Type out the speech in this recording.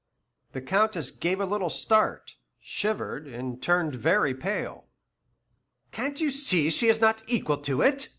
The Countess gave a little start, shivered, and turned very pale. "Can't you see she is not equal to it?"